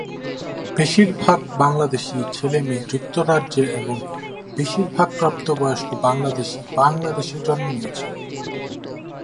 বেশির ভাগ বাংলাদেশী ছেলেমেয়ে যুক্তরাজ্যে এবং বেশির ভাগ প্রাপ্তবয়স্ক বাংলাদেশী বাংলাদেশে জন্ম নিয়েছে।